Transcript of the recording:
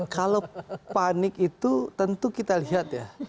kalau panik itu tentu kita lihat ya